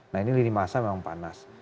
nah ini lini masa memang panas